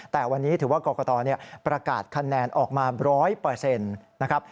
แต่วันนี้ถือว่ากรกตประกาศคะแนนออกมา๑๐๐นะครับ